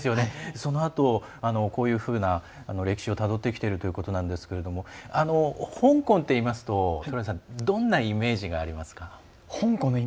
そのあと、こういうふうな歴史をたどってきてるということなんですけど香港って言いますとどんなイメージがありますか。